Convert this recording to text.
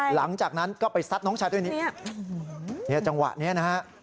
หลังจากนั้นก็ไปซัดน้องชายด้วยนี่จังหวะนี้นะฮะ